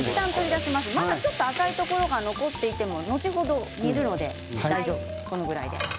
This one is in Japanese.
まだちょっと赤いところが残っていても後ほど煮るので大丈夫です、これぐらいで。